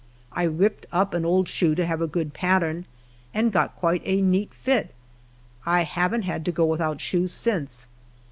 I ripped up an old shoe to have a good pattern, and got quite a neat fit. 1 haven't had to go without shoes since.